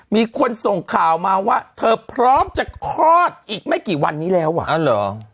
มีคนส่งข่าวมาว่าเธอพร้อมจะคลอดอีกไม่กี่วันนี้แล้วว่ะอ๋อเหรอ